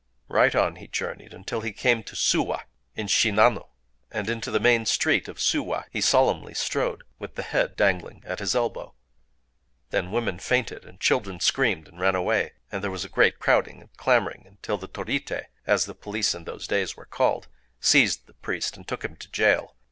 Right on he journeyed, until he came to Suwa in Shinano; (6) and into the main street of Suwa he solemnly strode, with the head dangling at his elbow. Then woman fainted, and children screamed and ran away; and there was a great crowding and clamoring until the torité (as the police in those days were called) seized the priest, and took him to jail.